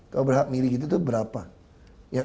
yang asli c enam dengan ktp berapa orang